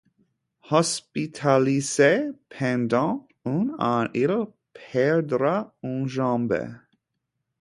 Hospitalisé pendant un an, il perdra une jambe.